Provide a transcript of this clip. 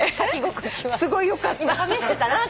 すごいよかった。